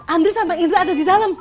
andri sama indra ada di dalam